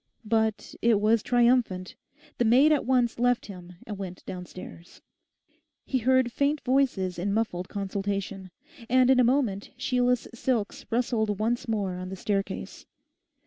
But it was triumphant. The maid at once left him and went downstairs. He heard faint voices in muffled consultation. And in a moment Sheila's silks rustled once more on the staircase.